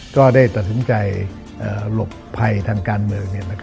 ก็ได้ตัดสินใจหลบภัยทางการเมือง